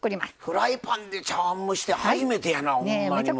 フライパンで茶碗蒸しって初めてやなほんまにもう。